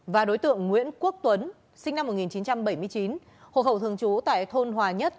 và đối tượng nguyễn quốc tuấn sinh năm một nghìn chín trăm bảy mươi chín hộ khẩu thường trú tại thôn hòa nhất